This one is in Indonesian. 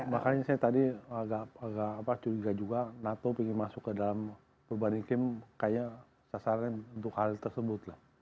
makanya saya tadi agak curiga juga nato ingin masuk ke dalam perubahan iklim kayaknya sasaran untuk hal tersebut lah